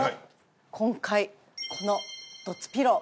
今回このドッツピロー。